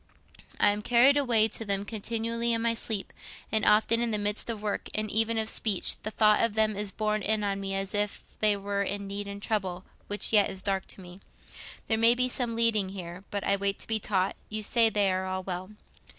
I am carried away to them continually in my sleep, and often in the midst of work, and even of speech, the thought of them is borne in on me as if they were in need and trouble, which yet is dark to me. There may be some leading here; but I wait to be taught. You say they are all well.